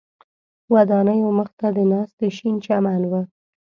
ودانیو مخ ته د ناستي شین چمن و.